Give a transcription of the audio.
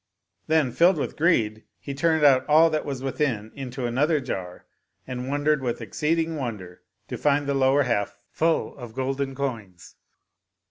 Then, filled with greed, he turned out all that was within into another jar and wondered with exceeding wonder to find the lower half full of golden coins.